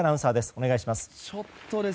お願いします。